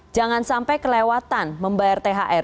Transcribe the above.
jangan sampai kelewatan membayar thr